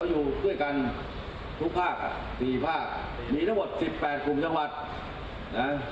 อยู่ด้วยกันทุกภาคอ่ะสี่ภาคมีทั้งหมดสิบแปดกลุ่มจังหวัดนะ